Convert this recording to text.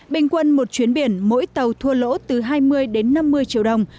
bình quân một chuyến biển mỗi tàu thua lỗ từ hai mươi đến năm mươi triệu đồng